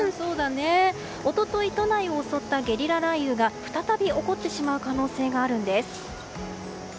一昨日都内を襲ったゲリラ雷雨が再び起こってしまう可能性があるんです。